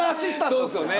そうですよね